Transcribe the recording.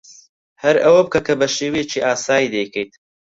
ھەر ئەوە بکە کە بە شێوەیەکی ئاسایی دەیکەیت.